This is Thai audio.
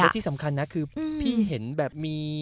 ที่สำคัญนะคือพี่เห็นแบบมี